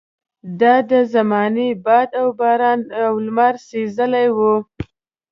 دا د زمانو باد او باران او لمر سېزلي وو.